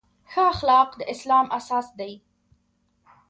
ښه اخلاق د اسلام اساس دی.